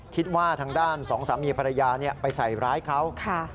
คิดว่าทางด้านสองสามีภรรยาไปใส่ร้ายเขา